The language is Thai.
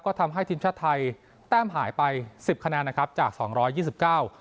ก็ทำให้ทีมชาติไทยแต้มหายไปสิบคะแนนนะครับจากสองร้อยยี่สิบเก้า